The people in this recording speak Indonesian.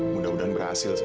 mudah mudahan berhasil sih